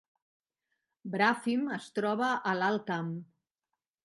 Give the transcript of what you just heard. Bràfim es troba a l’Alt Camp